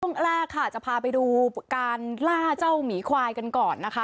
ช่วงแรกค่ะจะพาไปดูการล่าเจ้าหมีควายกันก่อนนะคะ